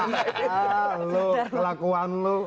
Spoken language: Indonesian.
itu kelakuan lu